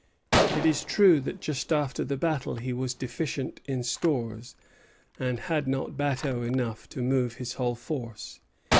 It is true that just after the battle he was deficient in stores, and had not bateaux enough to move his whole force.